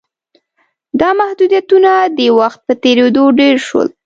دا محدودیتونه د وخت په تېرېدو ډېر شول